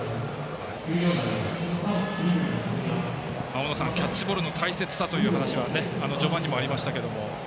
大野さん、キャッチボールの大切さというお話は序盤にもありましたけども。